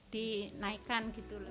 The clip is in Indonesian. dinaikkan gitu loh